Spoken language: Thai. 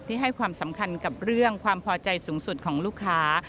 ให้ความสำคัญกับเรื่องความพอใจสูงสุดของลูกค้า